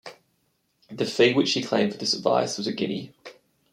The fee which he claimed for this advice was a guinea.